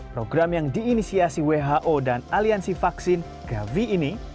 program yang diinisiasi who dan aliansi vaksin gavi ini